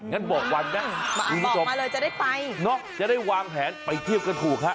งั้นบอกวันนะบอกมาเลยจะได้ไปจะได้วางแผนไปเทียบกันถูกฮะ